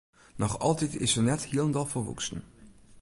Noch altyd is se net hielendal folwoeksen.